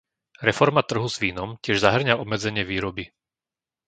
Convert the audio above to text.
Reforma trhu s vínom tiež zahŕňa obmedzenie výroby.